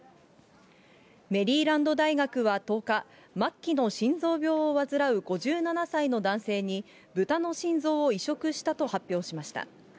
メリーランド大学は１０日、末期の心臓病を患う５７歳の男性に豚の心臓を移植したと発表しました。